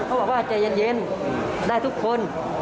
เพราะว่าใจเย็นได้ทุกคน